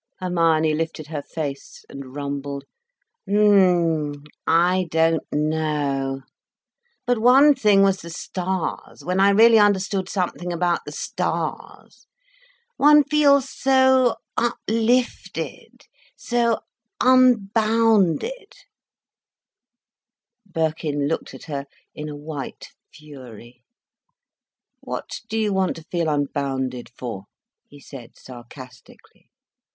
Hermione lifted her face and rumbled— "M—m—m—I don't know ... But one thing was the stars, when I really understood something about the stars. One feels so uplifted, so unbounded ..." Birkin looked at her in a white fury. "What do you want to feel unbounded for?" he said sarcastically.